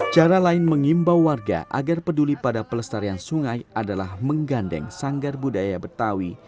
cara lain mengimbau warga agar peduli pada pelestarian sungai adalah menggandeng sanggar budaya betawi